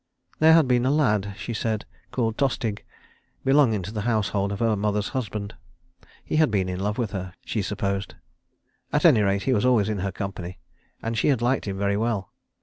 There had been a lad, she said, called Tostig, belonging to the household of her mother's husband. He had been in love with her, she supposed. At any rate he was always in her company, and she had liked him very well.